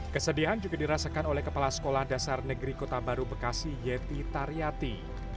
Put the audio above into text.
kesedihan juga dirasakan oleh kepala sekolah dasar negeri kota baru bekasi yeti taryati